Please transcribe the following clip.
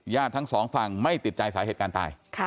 ทั้งสองฝั่งไม่ติดใจสาเหตุการณ์ตาย